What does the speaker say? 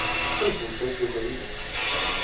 政府隨時回應